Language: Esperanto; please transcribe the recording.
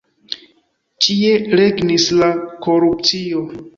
Ĉie regnis la korupcio.